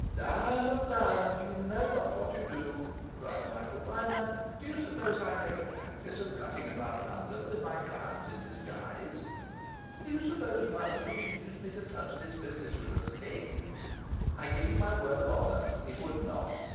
'Diamond, Diamond, you know not what you do!' cried Michael. 'Why, man, do you suppose I make a practice of cutting about London with my clients in disguise? Do you suppose money would induce me to touch this business with a stick? I give you my word of honour, it would not.